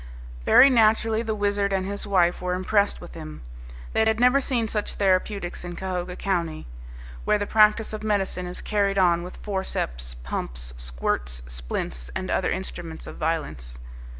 Very naturally the Wizard and his wife were impressed with him. They had never seen such therapeutics in Cahoga County, where the practice of medicine is carried on with forceps, pumps, squirts, splints, and other instruments of violence.